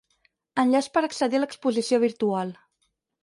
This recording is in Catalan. Enllaç per accedir a l'exposició virtual.